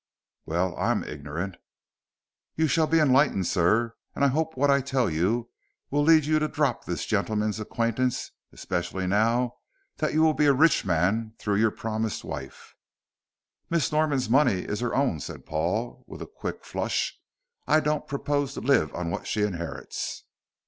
"Well, I am ignorant." "You shall be enlightened, sir, and I hope what I tell you will lead you to drop this gentleman's acquaintance, especially now that you will be a rich man through your promised wife." "Miss Norman's money is her own," said Paul, with a quick flush. "I don't propose to live on what she inherits."